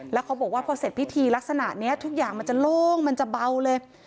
แล้วเขาบอกว่าพอเสร็จพิธีลักษณะนี้ทุกอย่างมันจะโล่งมันจะเบาเลย